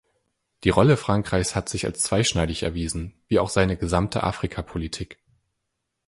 Die Rolle Frankreichs hat sich als zweischneidig erwiesen, wie auch seine gesamte Afrikapolitik.